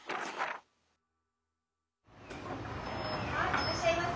いらっしゃいませ。